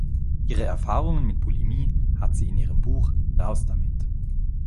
Ihre Erfahrungen mit Bulimie hat sie in ihrem Buch "Raus damit!